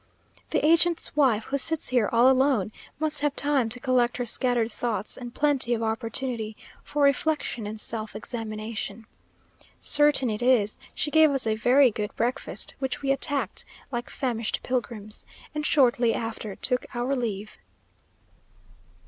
The agent's wife, who sits here all alone, must have time to collect her scattered thoughts, and plenty of opportunity for reflection and self examination. Certain it is, she gave us a very good breakfast, which we attacked like famished pilgrims; and shortly after took our leave.